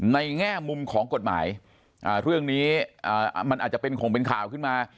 แง่มุมของกฎหมายเรื่องนี้มันอาจจะเป็นข่งเป็นข่าวขึ้นมา